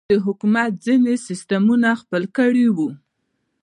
د حکومت ځينې سسټمونه خپل کړي وو.